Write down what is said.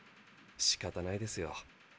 しかたないですよ。